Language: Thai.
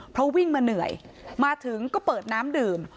เพราะวิ่งมาเหนื่อยมาถึงก็เปิดน้ำดื่ม